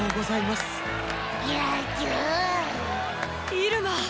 イルマ。